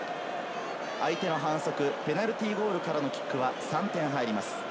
相手の反則、ペナルティーゴールからのキックは３点入ります。